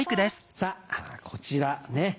さぁこちらね。